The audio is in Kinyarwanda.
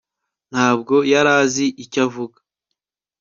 ntabwo yari azi icyo avuga